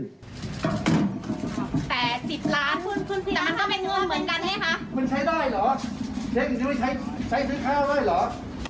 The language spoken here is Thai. แต่สิบล้านแต่มันก็เป็นเงินเหมือนกันไหมคะ